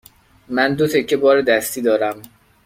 من دو تکه بار دستی دارم.